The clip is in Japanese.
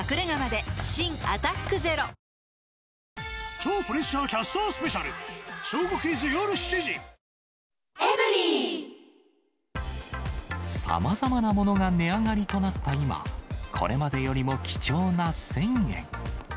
新「アタックＺＥＲＯ」さまざまなものが値上がりとなった今、これまでよりも貴重な１０００円。